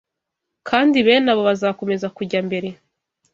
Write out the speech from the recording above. kandi bene abo bazakomeza kujya mbere